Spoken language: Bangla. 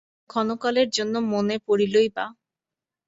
নাহয় ক্ষণকালের জন্য মনে পড়িলই বা।